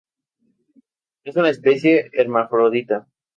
Es una especie hermafrodita.